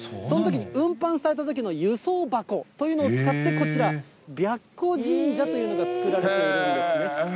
そのときに運搬されたときの輸送箱というのを使ってこちら、白虎神社というのが作られているんですね。